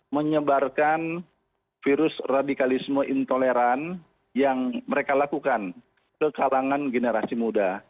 menyebarkan virus radikalisme intoleran yang mereka lakukan ke kalangan generasi muda